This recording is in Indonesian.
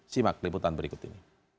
simak liputan berikut ini